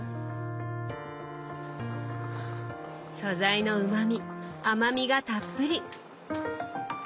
素材のうまみ甘みがたっぷり！